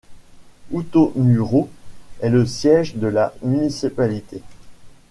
Outomuro est le siège de la municipalité.